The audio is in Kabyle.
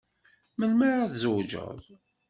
Melmi ara tzewǧeḍ?